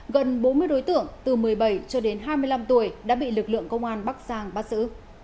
gần bốn mươi đối tượng từ một mươi bảy cho đến hai mươi năm tuổi đã bị lực lượng công an bắc giang bắt giữ